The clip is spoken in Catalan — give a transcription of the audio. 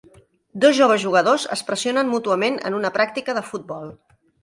Dos joves jugadors es pressionen mútuament en una pràctica de futbol.